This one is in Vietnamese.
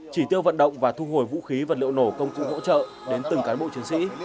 chỉ tiêu vận động và thu hồi vũ khí vật liệu nổ công cụ hỗ trợ đến từng cán bộ chiến sĩ